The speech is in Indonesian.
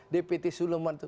dpt siluman itu